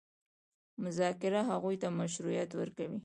مذاکره هغوی ته مشروعیت ورکوي.